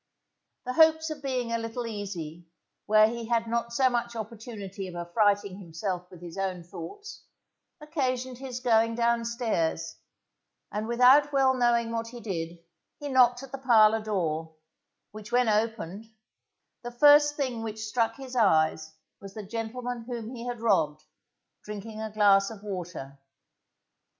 The hopes of being a little easy where he had not so much opportunity of affrighting himself with his own thoughts, occasioned his going downstairs, and without well knowing what he did, he knocked at the parlour door, which when opened, the first thing which struck his eyes was the gentleman whom he had robbed, drinking a glass of water.